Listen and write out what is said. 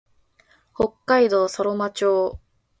北海道佐呂間町